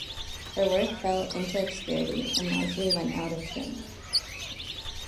Her works fell into obscurity and largely went out of print.